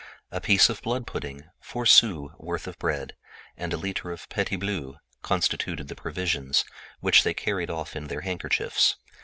A piece of blood pudding, four sous' worth of bread, and a liter of "petit bleu" constituted the provisions, which they carried off in their handkerchiefs.